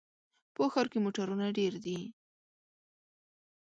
په ښار کې موټرونه ډېر دي.